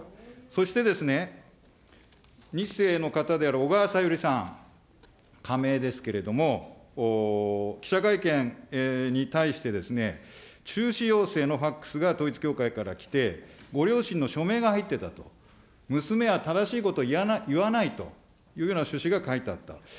そして２世の方である小川さゆりさん、仮名ですけれども、記者会見に対して中止要請のファックスが統一教会から来て、ご両親の署名が入ってたと、娘は正しいこと言わないというような趣旨が書いてあったと。